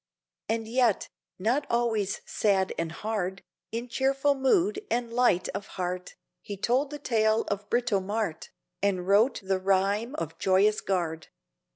And yet, not always sad and hard; In cheerful mood and light of heart He told the tale of Britomarte, And wrote the Rhyme of Joyous Guard.